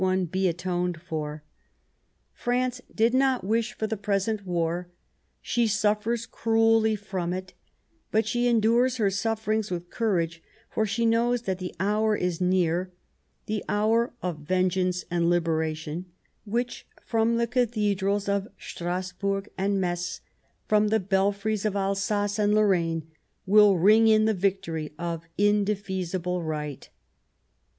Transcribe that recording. France 154 The War of 1870 did not wish for the present war ; she suffers cruehy from it ; but she endures her sufferings with courage, for she knows that the hour is near, the hour of vengeance and hberation, which, from the cathedrals of Strasburg and Metz, from the belfries of Alsace and Lorraine, will ring in the victory of indefeasible Right.